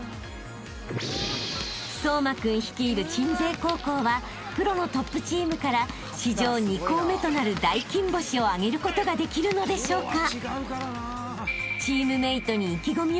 ［颯真君率いる鎮西高校はプロのトップチームから史上２校目となる大金星を挙げることができるのでしょうか？］